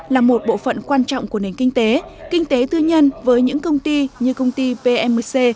là một bộ phận quan trọng của nền kinh tế kinh tế tư nhân với những công ty như công ty pmc